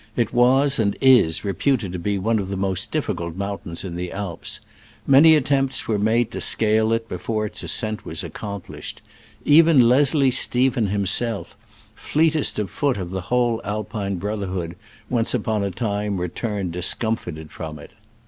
It was, and is, re puted to be one of the most difficult mountains in the Alps. Many attempts were made to scale it before its ascent was accomplished. Even Leslie Stephen himself, fleetest of foot of the whole Alpine brotherhood, once upon a time returned discomfited from it.